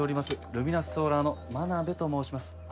ルミナスソーラーの真鍋と申します。